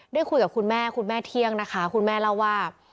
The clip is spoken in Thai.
ได้คุยกับคุณแม่คุณแม่เที่ยงนะคะคุณแม่เล่าว่า